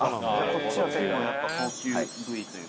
こっちは結構やっぱ高級部位というか。